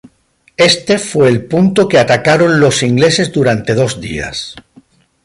Éste fue el punto que atacaron los ingleses durante dos días.